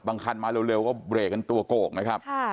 คันมาเร็วก็เบรกกันตัวโกกนะครับ